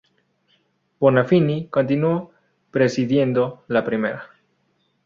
Bonafini continuó presidiendo la primera.